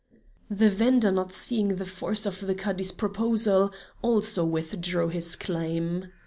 The vender not seeing the force of the Cadi's proposal, also withdrew his claim.